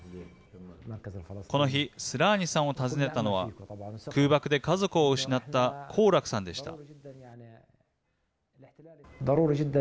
この日スラーニさんを訪ねたのは空爆で家族を失ったコーラクさんでした。